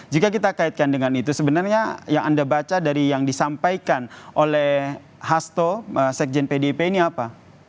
jika kita kaitkan dengan itu sebenarnya yang anda baca dari yang disampaikan oleh hasto sekjen pdip ini apa